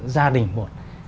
gia đình một